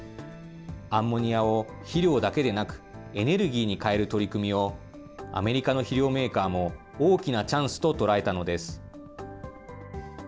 アンモニアを肥料だけでなく、エネルギーに変える取り組みを、アメリカの肥料メーカーも大きなチャンスと捉えたのです。